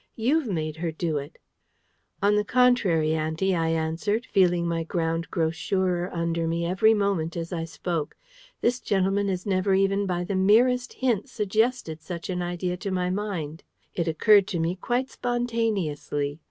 You've made her do it!" "On the contrary, auntie," I answered, feeling my ground grow surer under me every moment as I spoke, "this gentleman has never even by the merest hint suggested such an idea to my mind. It occurred to me quite spontaneously.